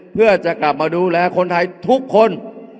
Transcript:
เพื่อจะกลับมาดูแลคนไทยทุกคน